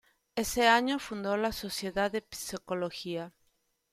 Ese año fundó la Sociedad de Psicología.